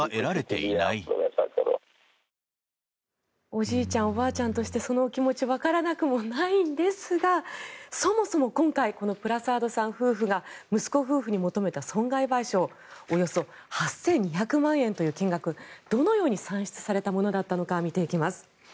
おじいちゃんおばあちゃんとしてそのお気持ちはわからなくもないんですがそもそも今回プラサードさん夫婦が息子夫婦に求めた損害賠償およそ８２００万円という金額はどのように算出されたものだったのか見ていきます。